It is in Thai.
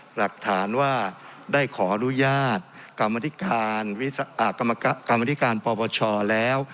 หลักฐานว่าได้ขออนุญาตกรรมธิการกรรมธิการปปชแล้ว